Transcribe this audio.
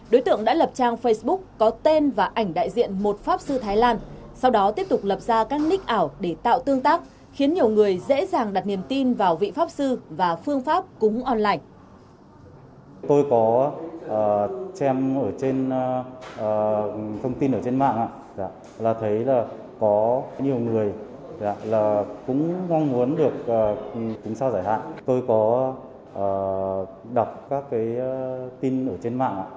đối tượng đã lập trang facebook có tên và ảnh đại diện một pháp sư thái lan sau đó tiếp tục lập ra các nick ảo để tạo tương tác khiến nhiều người dễ dàng đặt niềm tin vào vị pháp sư và phương pháp cúng online